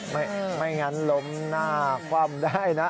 ไม่งั้นล้มหน้าคว่ำได้นะ